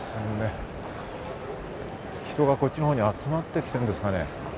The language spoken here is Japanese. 人がこっちのほうに集まってきてるんですかね。